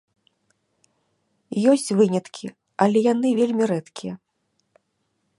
Ёсць выняткі, але яны вельмі рэдкія.